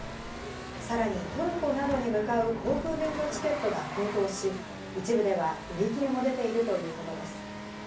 さらにトルコなどに向かう航空便のチケットが高騰し、一部では売り切れも出ているということです。